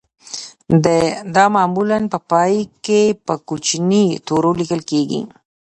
دا معمولاً په پای کې په کوچنیو تورو لیکل کیږي